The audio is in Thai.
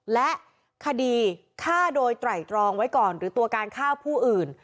และคดีฆ่าโดยไตรตรองไว้ก่อนหรือตัวการฆ่าผู้อื่น